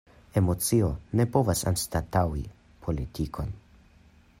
Emocio ne povas anstataŭi politikon.